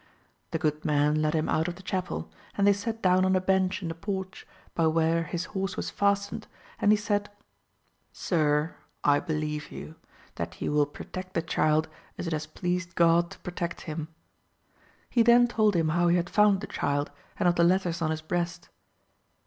The good mun led him out of the chapel and they sat down on a bench in the porch, by where his horse was fastened, and he said. Sir I believe you, that you will protect the child as it has pleased God to protect him ! he then told him how he had found the child, and of the letters on his breast.